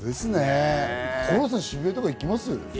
五郎さん、渋谷とか行きます？